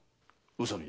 宇佐美。